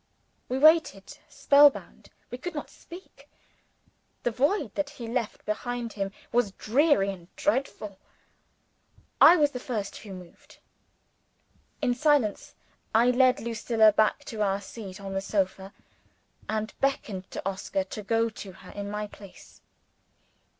We waited, spell bound we could not speak. The void that he left behind him was dreary and dreadful. I was the first who moved. In silence, I led Lucilla back to our seat on the sofa, and beckoned to Oscar to go to her in my place.